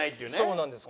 そうなんです。